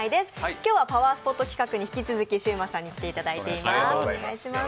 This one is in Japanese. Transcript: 今日はパワースポット企画に引き続きシウマさんに来ていただいています。